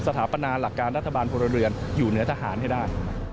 สถาปนาหลักการรัฐบาลพลเรือนอยู่เหนือทหารให้ได้